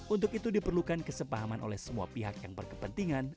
untuk itu diperlukan kesepahaman oleh semua pihak yang berkepentingan